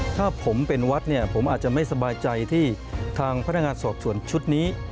ถ้าผมเป็นวัดเนี่ยผมอาจจะไม่สบายใจที่ทางพนักงานสอบสวนชุดนี้